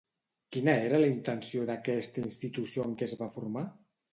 Quina era la intenció d'aquesta institució en què es va formar?